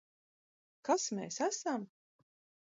Kas mēs esam?